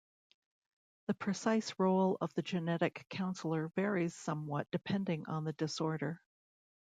The precise role of the genetic counselor varies somewhat depending on the disorder.